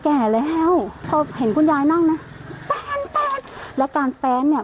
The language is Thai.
แก่แก่แล้วเพราะเห็นคุณยายนั่งนะแปนแปนแล้วการแปนเนี้ย